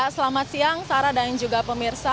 selamat siang sarah dan juga pemirsa